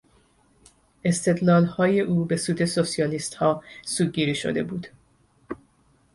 استدلالهای او به سود سوسیالیستها سوگیری شده بود.